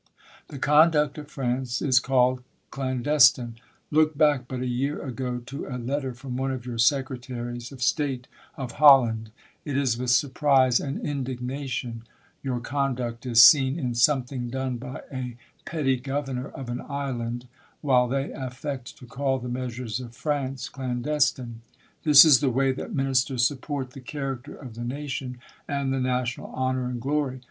The conduct of France is called clandestine : look back but a year ago to a letter from one of your Sec* retaries of State of Holland ;'* it is with surprise and indignation" your conduct is seen, in something done by a petty governor of an island, while they affect to call the measures of France clandestine. This is the way that ministers support the character of the nation, ^nd the national honor and glory.